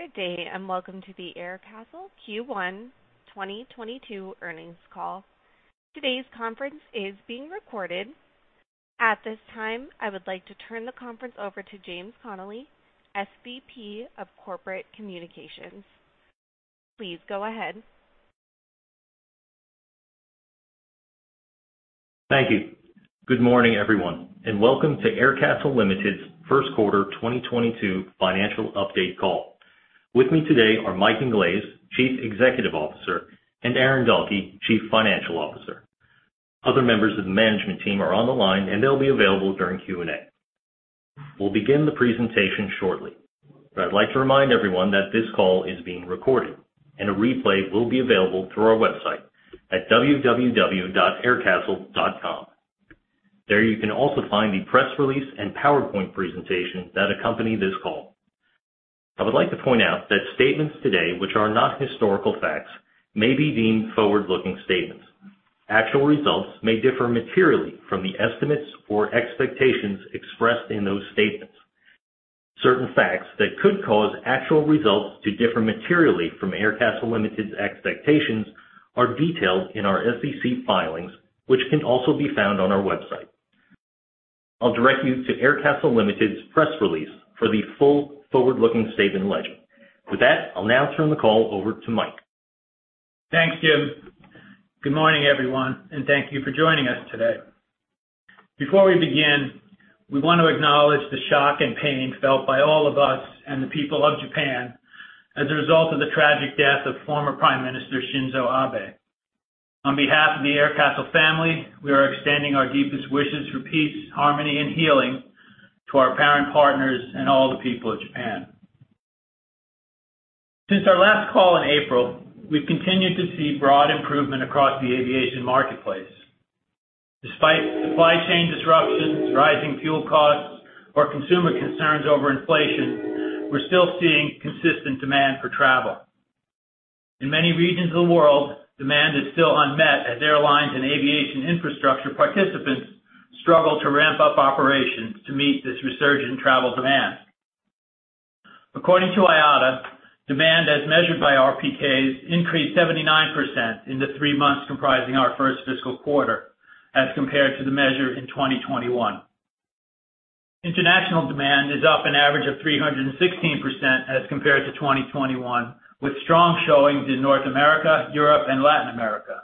Good day, and welcome to the Aircastle Q1 2022 earnings call. Today's conference is being recorded. At this time, I would like to turn the conference over to James Connelly, SVP of Corporate Communications. Please go ahead. Thank you. Good morning, everyone, and welcome to Aircastle Limited's first quarter 2022 financial update call. With me today are Michael Inglese, Chief Executive Officer, and Aaron Dahlke, Chief Financial Officer. Other members of the management team are on the line, and they'll be available during Q&A. We'll begin the presentation shortly. I'd like to remind everyone that this call is being recorded, and a replay will be available through our website at www.aircastle.com. There, you can also find the press release and PowerPoint presentation that accompany this call. I would like to point out that statements today which are not historical facts may be deemed forward-looking statements. Actual results may differ materially from the estimates or expectations expressed in those statements. Certain facts that could cause actual results to differ materially from Aircastle Limited's expectations are detailed in our SEC filings, which can also be found on our website. I'll direct you to Aircastle Limited's press release for the full forward-looking statement legend. With that, I'll now turn the call over to Mike. Thanks, Jim. Good morning, everyone, and thank you for joining us today. Before we begin, we want to acknowledge the shock and pain felt by all of us and the people of Japan as a result of the tragic death of former Prime Minister Shinzo Abe. On behalf of the Aircastle family, we are extending our deepest wishes for peace, harmony, and healing to our parent partners and all the people of Japan. Since our last call in April, we've continued to see broad improvement across the aviation marketplace. Despite supply chain disruptions, rising fuel costs, or consumer concerns over inflation, we're still seeing consistent demand for travel. In many regions of the world, demand is still unmet as airlines and aviation infrastructure participants struggle to ramp up operations to meet this resurgent travel demand. According to IATA, demand as measured by RPKS increased 79% in the three months comprising our first fiscal quarter as compared to the measure in 2021. International demand is up an average of 316% as compared to 2021, with strong showings in North America, Europe, and Latin America.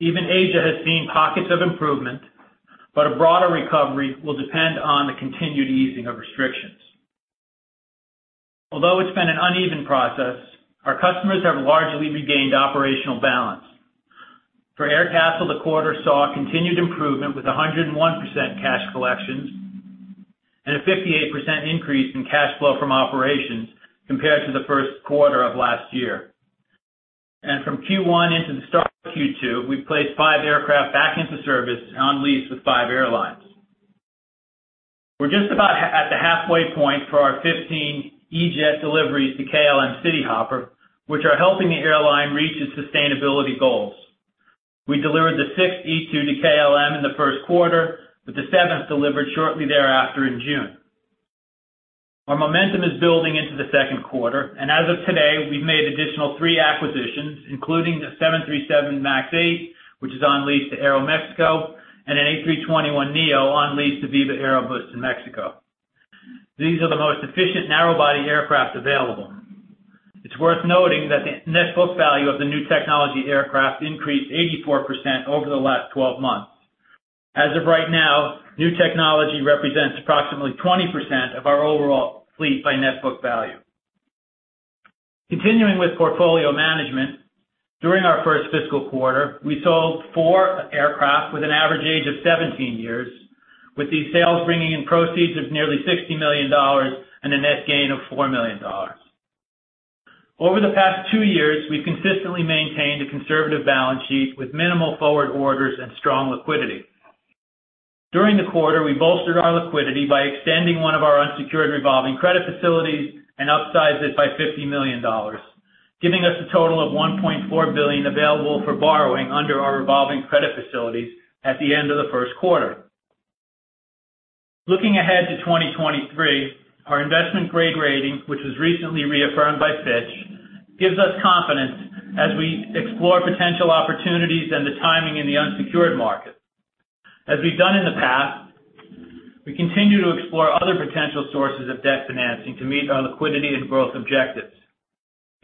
Even Asia has seen pockets of improvement, but a broader recovery will depend on the continued easing of restrictions. Although it's been an uneven process, our customers have largely regained operational balance. For Aircastle, the quarter saw a continued improvement with 101% cash collections and a 58% increase in cash flow from operations compared to the first quarter of last year. From Q1 into the start of Q2, we've placed five aircraft back into service on lease with five airlines. We're just about at the halfway point for our 15 E-Jet deliveries to KLM Cityhopper, which are helping the airline reach its sustainability goals. We delivered the sixth E2 to KLM in the first quarter, with the seventh delivered shortly thereafter in June. Our momentum is building into the second quarter, and as of today, we've made additional three acquisitions, including the 737MAX8, which is on lease to Aeroméxico, and an A321neo on lease to Viva Aerobus in Mexico. These are the most efficient narrow-body aircraft available. It's worth noting that the net book value of the new technology aircraft increased 84% over the last 12 months. As of right now, new technology represents approximately 20% of our overall fleet by net book value. Continuing with portfolio management, during our first fiscal quarter, we sold four aircraft with an average age of 17 years, with these sales bringing in proceeds of nearly $60 million and a net gain of $4 million. Over the past two years, we've consistently maintained a conservative balance sheet with minimal forward orders and strong liquidity. During the quarter, we bolstered our liquidity by extending one of our unsecured revolving credit facilities and upsized it by $50 million, giving us a total of $1.4 billion available for borrowing under our revolving credit facilities at the end of the first quarter. Looking ahead to 2023, our investment grade rating, which was recently reaffirmed by Fitch, gives us confidence as we explore potential opportunities and the timing in the unsecured market. As we've done in the past, we continue to explore other potential sources of debt financing to meet our liquidity and growth objectives.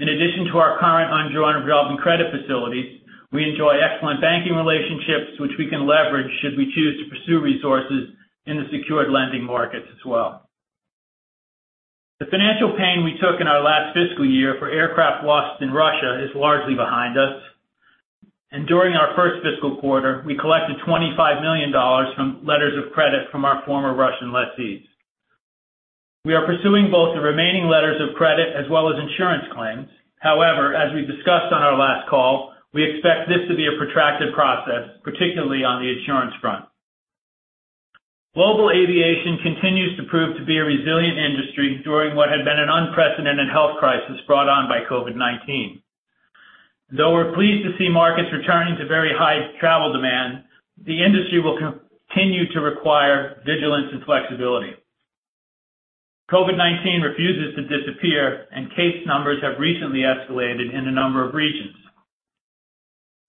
In addition to our current undrawn revolving credit facilities, we enjoy excellent banking relationships which we can leverage should we choose to pursue resources in the secured lending markets as well. The financial pain we took in our last fiscal year for aircraft lost in Russia is largely behind us, and during our first fiscal quarter, we collected $25 million from letters of credit from our former Russian lessees. We are pursuing both the remaining letters of credit as well as insurance claims. However, as we discussed on our last call, we expect this to be a protracted process, particularly on the insurance front. Global aviation continues to prove to be a resilient industry during what had been an unprecedented health crisis brought on by COVID-19. Though we're pleased to see markets returning to very high travel demand, the industry will continue to require vigilance and flexibility. COVID-19 refuses to disappear, and case numbers have recently escalated in a number of regions.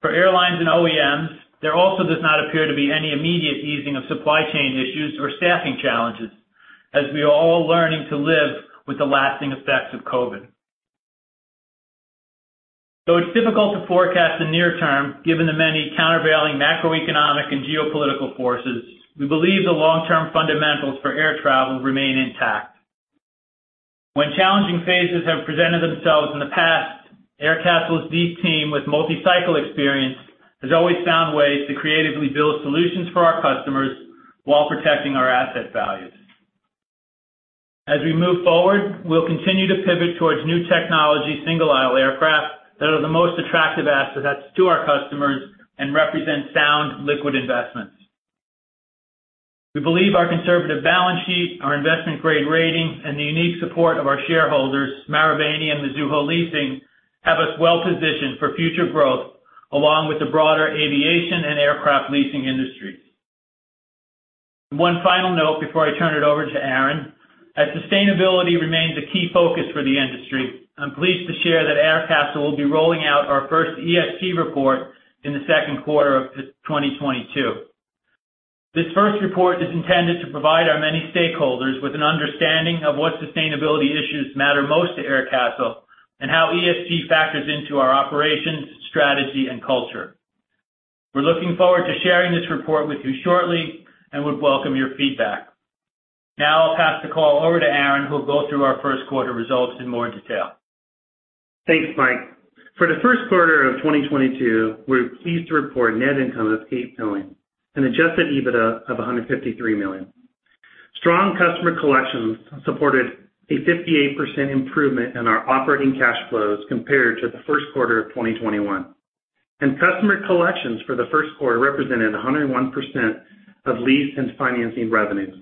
For airlines and OEMs, there also does not appear to be any immediate easing of supply chain issues or staffing challenges, as we are all learning to live with the lasting effects of COVID. Though it's difficult to forecast the near term, given the many countervailing macroeconomic and geopolitical forces, we believe the long-term fundamentals for air travel remain intact. When challenging phases have presented themselves in the past, Aircastle's deep team with multi-cycle experience has always found ways to creatively build solutions for our customers while protecting our asset values. As we move forward, we'll continue to pivot towards new technology single-aisle aircraft that are the most attractive assets to our customers and represent sound liquid investments. We believe our conservative balance sheet, our investment-grade rating, and the unique support of our shareholders, Marubeni and Mizuho Leasing, have us well-positioned for future growth, along with the broader aviation and aircraft leasing industry. One final note before I turn it over to Aaron. As sustainability remains a key focus for the industry, I'm pleased to share that Aircastle will be rolling out our first ESG report in the second quarter of 2022. This first report is intended to provide our many stakeholders with an understanding of what sustainability issues matter most to Aircastle and how ESG factors into our operations, strategy, and culture. We're looking forward to sharing this report with you shortly and would welcome your feedback. Now I'll pass the call over to Aaron, who will go through our first quarter results in more detail. Thanks, Mike. For the first quarter of 2022, we're pleased to report net income of $8 million and adjusted EBITDA of $153 million. Strong customer collections supported a 58% improvement in our operating cash flows compared to the first quarter of 2021. Customer collections for the first quarter represented 101% of lease and financing revenues.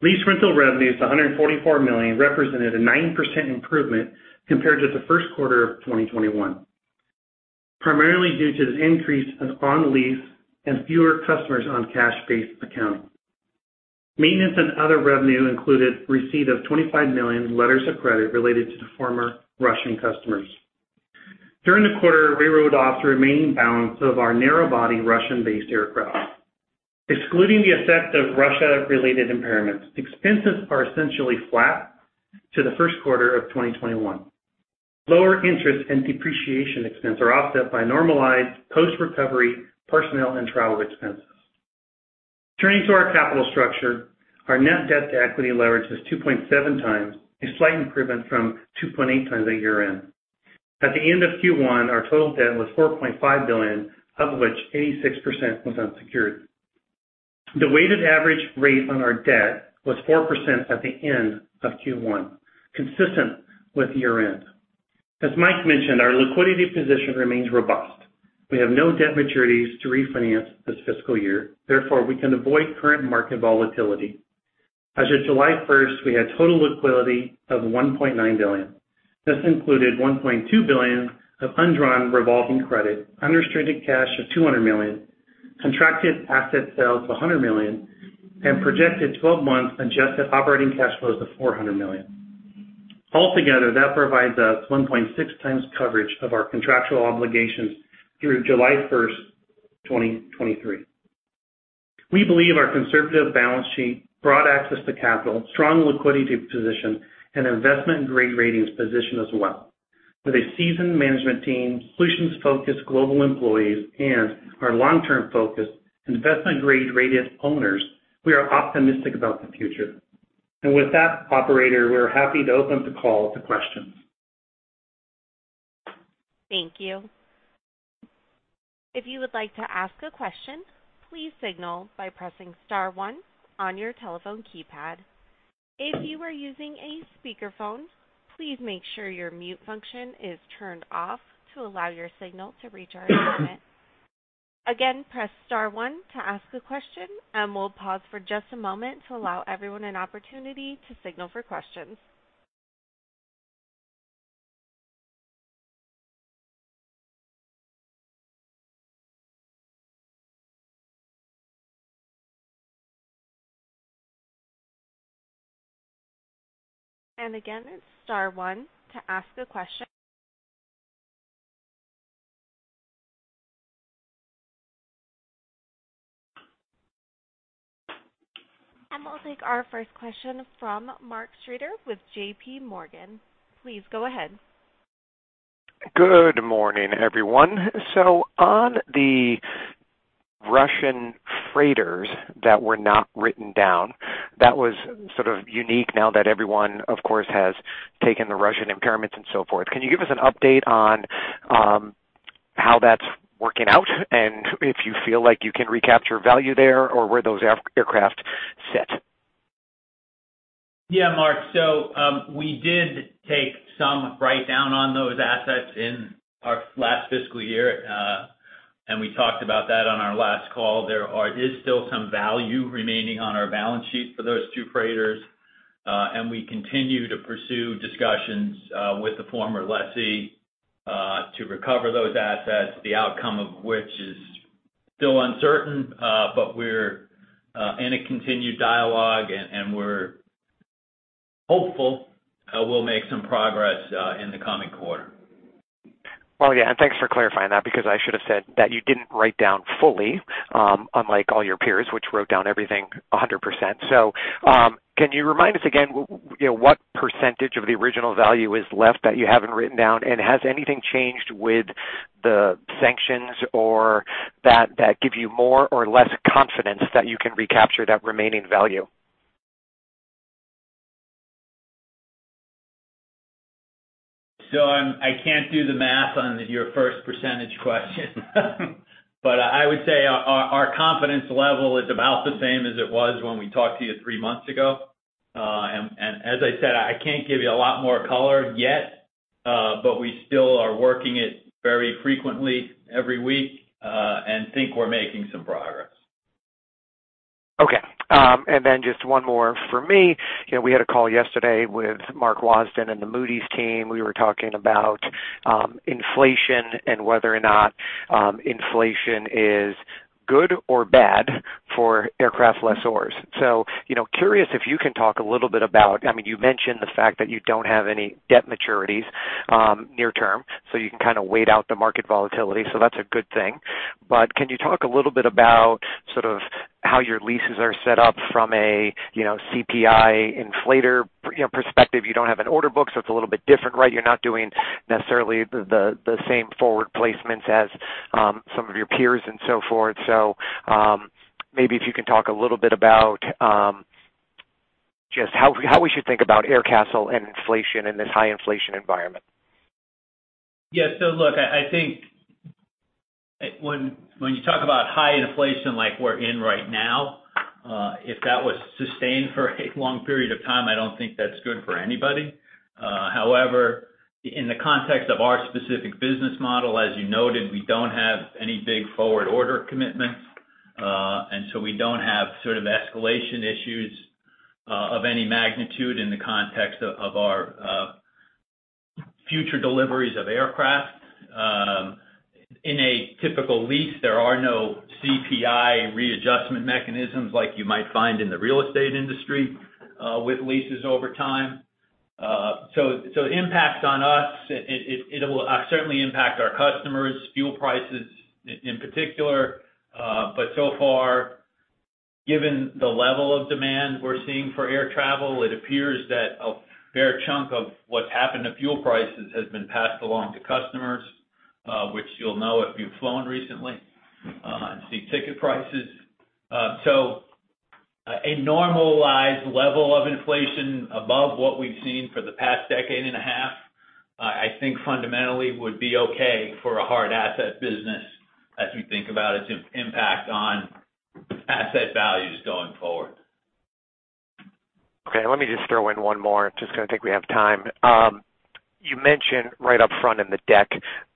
Lease rental revenues of $144 million represented a 9% improvement compared to the first quarter of 2021, primarily due to the increase of on-lease and fewer customers on cash-based accounts. Maintenance and other revenue included receipt of $25 million letters of credit related to the former Russian customers. During the quarter, we wrote off the remaining balance of our narrow-body Russian-based aircraft. Excluding the effect of Russia-related impairments, expenses are essentially flat to the first quarter of 2021. Lower interest and depreciation expense are offset by normalized post-recovery personnel and travel expenses. Turning to our capital structure, our net debt-to-equity leverage was 2.7x, a slight improvement from 2.8x at year-end. At the end of Q1, our total debt was $4.5 billion, of which 86% was unsecured. The weighted average rate on our debt was 4% at the end of Q1, consistent with year-end. As Mike mentioned, our liquidity position remains robust. We have no debt maturities to refinance this fiscal year. Therefore, we can avoid current market volatility. As of July 1st, we had total liquidity of $1.9 billion. This included $1.2 billion of undrawn revolving credit, unrestricted cash of $200 million, contracted asset sales of $100 million, and projected 12-month adjusted operating cash flows of $400 million. Altogether, that provides us 1.6x coverage of our contractual obligations through July 1st, 2023. We believe our conservative balance sheet, broad access to capital, strong liquidity position, and investment-grade ratings position us well. With a seasoned management team, solutions-focused global employees, and our long-term focused investment-grade rated owners, we are optimistic about the future. With that, operator, we're happy to open the call to questions. Thank you. If you would like to ask a question, please signal by pressing star one on your telephone keypad. If you are using a speakerphone, please make sure your mute function is turned off to allow your signal to reach our equipment. Again, press star one to ask a question, and we'll pause for just a moment to allow everyone an opportunity to signal for questions. Again, it's star one to ask a question. We'll take our first question from Mark Streeter with JPMorgan. Please go ahead. Good morning, everyone. On the Russian freighters that were not written down, that was sort of unique now that everyone, of course, has taken the Russian impairments and so forth. Can you give us an update on how that's working out and if you feel like you can recapture value there or where those aircraft sit? Yeah, Mark. We did take some write-down on those assets in our last fiscal year. We talked about that on our last call. There is still some value remaining on our balance sheet for those two freighters. We continue to pursue discussions with the former lessee to recover those assets, the outcome of which is still uncertain. We're in a continued dialogue and we're hopeful we'll make some progress in the coming quarter. Oh, yeah, thanks for clarifying that, because I should have said that you didn't write down fully, unlike all your peers, which wrote down everything 100%. Can you remind us again what percentage of the original value is left that you haven't written down? Has anything changed with the sanctions or that give you more or less confidence that you can recapture that remaining value? I can't do the math on your first percentage question. I would say our confidence level is about the same as it was when we talked to you three months ago. As I said, I can't give you a lot more color yet, but we still are working it very frequently every week, and think we're making some progress. Okay. Just one more from me. You know, we had a call yesterday with Mark Wasden and the Moody's team. We were talking about inflation and whether or not inflation is good or bad for aircraft lessors. You know, curious if you can talk a little bit about, I mean, you mentioned the fact that you don't have any debt maturities near term, so you can kind of wait out the market volatility. That's a good thing. Can you talk a little bit about sort of how your leases are set up from a, you know, CPI inflator per, you know, perspective? You don't have an order book, so it's a little bit different, right? You're not doing necessarily the same forward placements as some of your peers and so forth. Maybe if you can talk a little bit about, just how we should think about Aircastle and inflation in this high inflation environment. Yes. Look, I think when you talk about high inflation like we're in right now, if that was sustained for a long period of time, I don't think that's good for anybody. However, in the context of our specific business model, as you noted, we don't have any big forward order commitments, and so we don't have sort of escalation issues of any magnitude in the context of our future deliveries of aircraft. In a typical lease, there are no CPI readjustment mechanisms like you might find in the real estate industry with leases over time. The impacts on us, it'll certainly impact our customers, fuel prices in particular. So far, given the level of demand we're seeing for air travel, it appears that a fair chunk of what's happened to fuel prices has been passed along to customers, which you'll know if you've flown recently, and see ticket prices. A normalized level of inflation above what we've seen for the past decade and a half, I think fundamentally would be okay for a hard asset business as we think about its impact on asset values going forward. Okay, let me just throw in one more. Just 'cause I think we have time. You mentioned right up front in the deck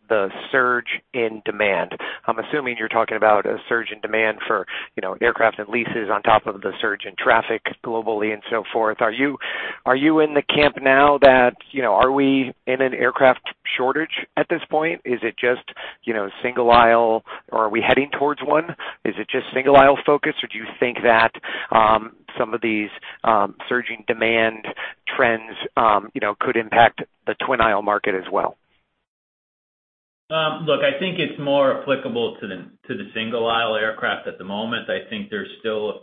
the surge in demand. I'm assuming you're talking about a surge in demand for, you know, aircraft and leases on top of the surge in traffic globally and so forth. Are you in the camp now that, you know, are we in an aircraft shortage at this point? Is it just, you know, single-aisle or are we heading towards one? Is it just single-aisle focus, or do you think that some of these surging demand trends, you know, could impact the twin-aisle market as well? Look, I think it's more applicable to the single-aisle aircraft at the moment. I think there's still a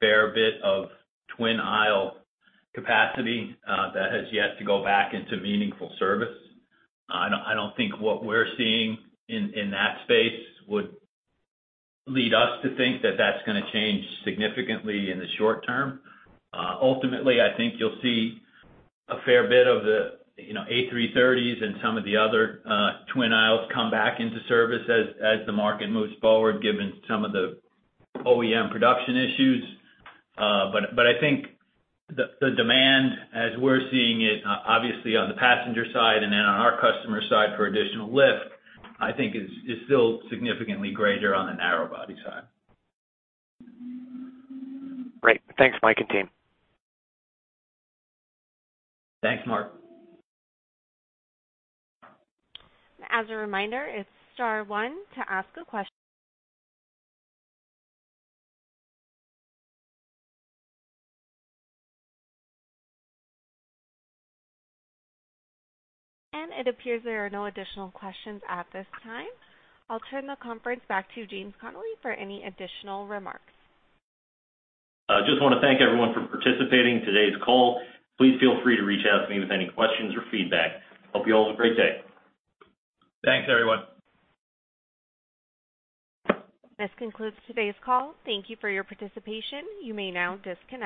fair bit of twin-aisle capacity that has yet to go back into meaningful service. I don't think what we're seeing in that space would lead us to think that that's gonna change significantly in the short term. Ultimately, I think you'll see a fair bit of the, you know, A330s and some of the other twin-aisles come back into service as the market moves forward, given some of the OEM production issues. But I think the demand as we're seeing it, obviously on the passenger side and then on our customer side for additional lift, I think is still significantly greater on the narrow-body side. Great. Thanks, Mike and team. Thanks, Mark. As a reminder, it's star one to ask a question. It appears there are no additional questions at this time. I'll turn the conference back to James Connelly for any additional remarks. I just wanna thank everyone for participating in today's call. Please feel free to reach out to me with any questions or feedback. Hope you all have a great day. Thanks, everyone. This concludes today's call. Thank you for your participation. You may now disconnect.